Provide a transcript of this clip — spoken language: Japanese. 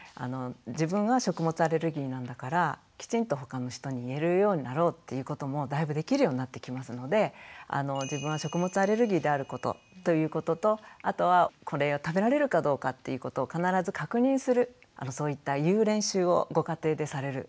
自分は食物アレルギーなんだからきちんとほかの人に言えるようになろうっていうこともだいぶできるようになってきますので自分は食物アレルギーであることということとあとはこれが食べられるかどうかっていうことを必ず確認するそういった「言う練習」をご家庭でされる。